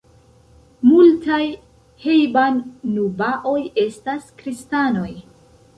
Multaj hejban-nubaoj estas kristanoj.